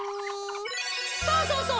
そうそうそう。